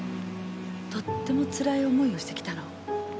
とってもつらい思いをしてきたの。